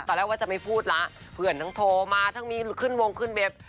ว่าจะไม่พูดละเพื่อนทั้งโทรมาทั้งมีขึ้นวงขึ้นเว็บ